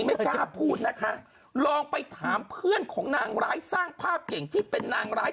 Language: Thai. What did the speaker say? ไม่กล้าพูดนะคะลองไปถามเพื่อนของนางร้ายสร้างภาพเก่งที่เป็นนางร้าย